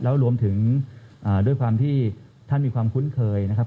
แล้วรวมถึงด้วยความที่ท่านมีความคุ้นเคยนะครับ